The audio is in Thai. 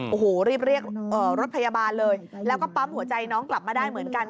โอ้โหรีบเรียกรถพยาบาลเลยแล้วก็ปั๊มหัวใจน้องกลับมาได้เหมือนกัน